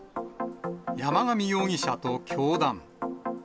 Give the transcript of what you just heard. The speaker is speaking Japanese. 山上容疑者と教団。